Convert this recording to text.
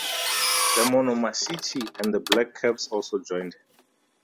The Monomashichi and the Black Caps also joined him.